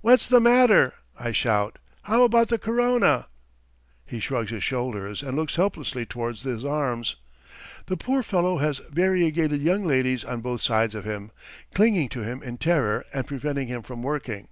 "What's the matter?" I shout. "How about the corona?" He shrugs his shoulders and looks helplessly towards his arms. The poor fellow has variegated young ladies on both sides of him, clinging to him in terror and preventing him from working.